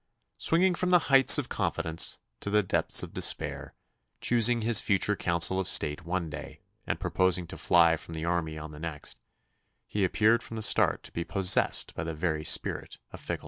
Swinging from the heights of confidence to the depths of despair, choosing his future council of state one day and proposing to fly from the army on the next, he appeared from the start to be possessed by the very spirit of fickleness.